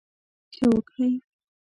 ښه وکړٸ.